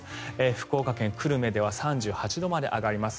福岡県久留米では３８度まで上がります。